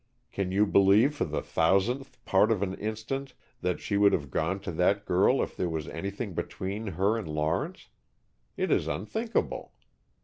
Can you believe for the thousandth part of an instant that she would have gone to that girl if there was anything between her and Lawrence? It is unthinkable.